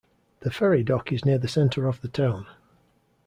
The Ferry dock is near the centre of the town.